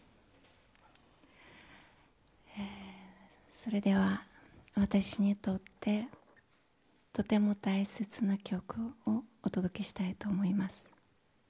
それでは、私にとってとても大切な曲をお届けしたいと思います。